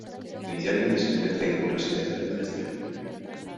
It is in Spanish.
Inicialmente se sintió atraído por las ideas de Wittgenstein.